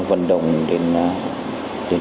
vận động đến